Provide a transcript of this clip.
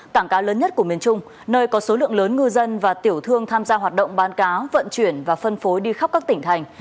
cảng cá lớn nhất của miền trung nơi có số lượng lớn ngư dân và tiểu thương tham gia hoạt động bán cá vận chuyển và phân phối đi khắp các tỉnh thành